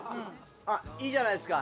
いいじゃないですか。